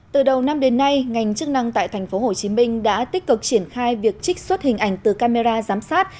từ đầu năm đến nay ngành chức năng tại tp hcm đã tích cực triển khai việc trích xuất hình ảnh từ camera giám sát